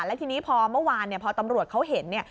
แล้วทีนี้พอเมื่อวานพอตำรวจเขาเห็น